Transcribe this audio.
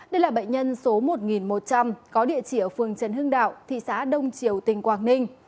đây là bệnh nhân số một một trăm linh có địa chỉ ở phường trần hưng đạo thị xã đông triều tỉnh quảng ninh